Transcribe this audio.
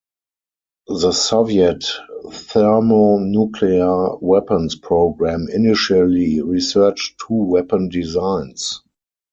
The Soviet thermonuclear weapons program initially researched two weapon designs.